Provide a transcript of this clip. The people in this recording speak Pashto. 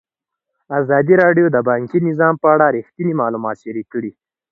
ازادي راډیو د بانکي نظام په اړه رښتیني معلومات شریک کړي.